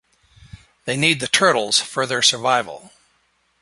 They need the turtles for their survival.